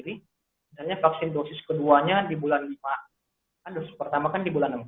misalnya vaksin dosis keduanya di bulan lima dosis pertama kan di bulan enam